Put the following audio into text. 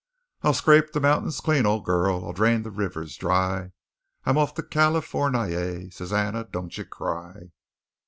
"I'll scrape the mountains clean, old girl, I'll drain the rivers dry; I'm off for California. Susannah, don't you cry!"